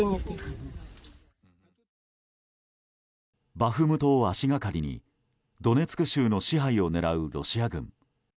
バフムトを足掛かりにドネツク州の支配を狙うロシア軍。